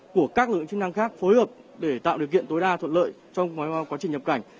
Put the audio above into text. của các lực lượng chức năng khác phối hợp để tạo điều kiện tối đa thuận lợi trong quá trình nhập cảnh